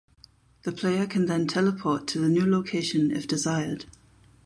The player can then teleport to the new location if desired.